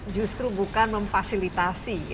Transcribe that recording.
justru bukan memfasilitasi